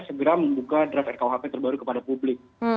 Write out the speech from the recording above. segera membuka draft rkuhp terbaru kepada publik